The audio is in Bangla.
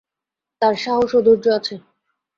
তার সাহস ও স্থৈর্য আছে।